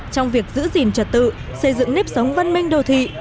trong việc giữ gìn trật tự xây dựng nếp sống văn minh đô thị